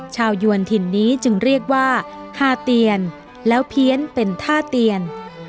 ยวนถิ่นนี้จึงเรียกว่าฮาเตียนแล้วเพี้ยนเป็นท่าเตียน